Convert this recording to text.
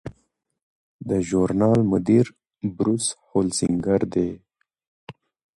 د ژورنال مدیر بروس هولسینګر دی.